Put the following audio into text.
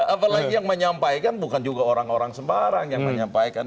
apalagi yang menyampaikan bukan juga orang orang sembarang yang menyampaikan